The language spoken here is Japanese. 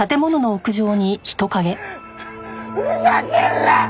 ふざけんな！